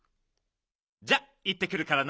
じゃあいってくるからな。